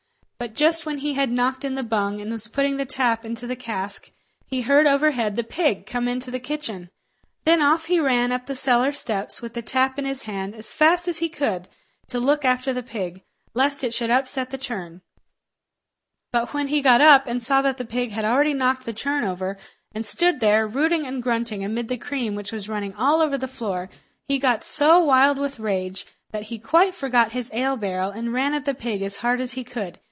So, just when he had knocked in the bung, and was putting the tap into the cask, he heard overhead the pig come into the kitchen. Then off he ran up the cellar steps, with the tap in his hand, as fast as he could, to look after the pig, lest it should upset the churn; but when he got up, and saw that the pig had already knocked the churn over, and stood there, routing and grunting amid the cream which was running all over the floor, he got so wild with rage that he quite forgot his ale barrel and ran at the pig as hard as he could.